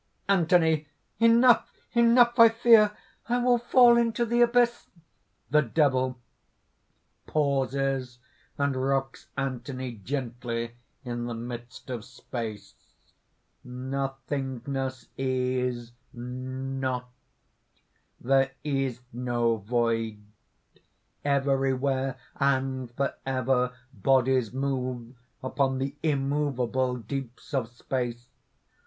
ANTHONY. "Enough! Enough! I fear! I will fall into the abyss!" THE DEVIL (pauses, and rocks Anthony gently in the midst of space). "Nothingness is not there is no void! Everywhere and forever bodies move upon the immovable deeps of space!